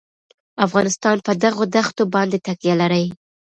افغانستان په دغو دښتو باندې تکیه لري.